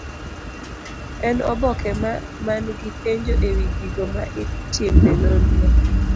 En oboke man gi penjo ewi gigo ma itime nonro.